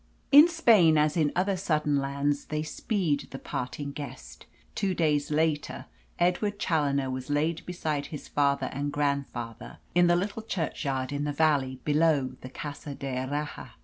In Spain, as in other southern lands, they speed the parting guest. Two days later Edward Challoner was laid beside his father and grandfather in the little churchyard in the valley below the Casa d'Erraha.